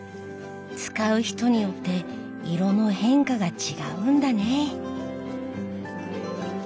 使う人によって色の変化が違うんだね。